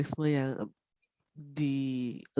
yang berkaitan dengan perkembangan keperluan dan keperluan